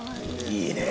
いいね。